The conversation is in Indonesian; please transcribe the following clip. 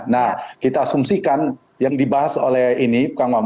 nah kita asumsikan yang dibahas oleh ini